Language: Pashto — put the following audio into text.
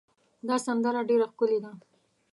دا سندره ډېره ښکلې ده.